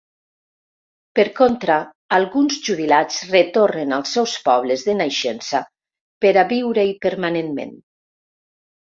Per contra, alguns jubilats retornen als seus pobles de naixença per a viure-hi permanentment.